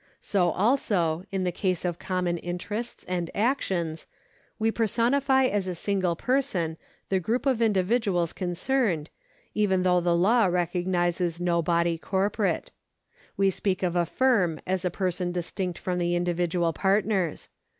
So, also, in the case of common interests and actions, we personify as a single person the group of individuals concerned, even though the law recognises no body corporate. We speak of a firm as a person distinct from the individual partners.